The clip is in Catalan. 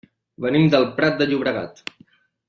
Venim del Prat de Llobregat.